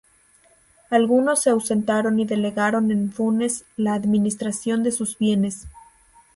Algunos se ausentaron y delegaron en Funes la administración de sus bienes.